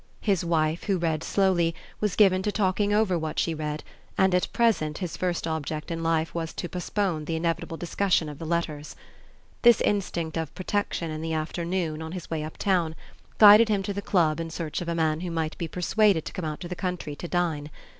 His wife, who read slowly, was given to talking over what she read, and at present his first object in life was to postpone the inevitable discussion of the letters. This instinct of protection in the afternoon, on his way uptown, guided him to the club in search of a man who might be persuaded to come out to the country to dine.